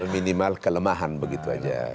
minimal kelemahan begitu aja kan